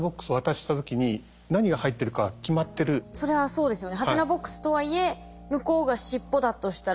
でもそれはそうですよね。